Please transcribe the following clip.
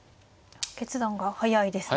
決断が速いですね。